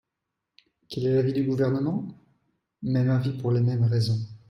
Quel est l’avis du Gouvernement ? Même avis pour les mêmes raisons.